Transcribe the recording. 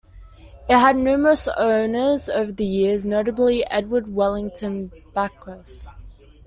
It had numerous owners over the years, notably Edward Wellington Backus.